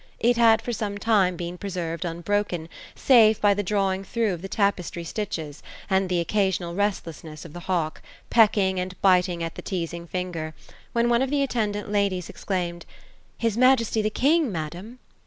It had for some time been preserved unbroken, save by the drawing through of the tapestry stitches, and the occasional restlessness of the hawk, peck ing and biting at the teasing finger, when one of the attendant ladies (.^claimed :" His majesty, the king ; madam."